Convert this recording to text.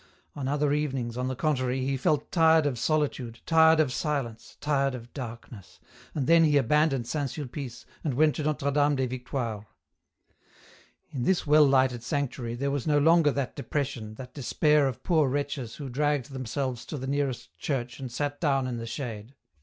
On other evenings, on the contrary, he felt tired of solitude, tired of silence, tired of darkness, and then he abandoned St. Sulpice and went to Notre Dame des Victoires. In this well lighted sanctuary there was no longer that depression, that despair of poor wretches who dragged themselves to the nearest church and sat down in the shade.